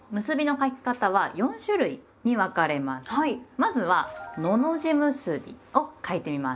まずは「のの字結び」を書いてみます。